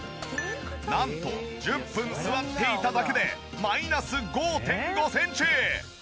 なんと１０分座っていただけでマイナス５．５センチ。